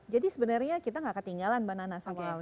jadi sebenarnya kita tidak ketinggalan bananas sama singapura